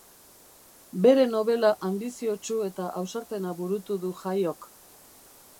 Bere nobela anbiziotsu eta ausartena burutu du Jaiok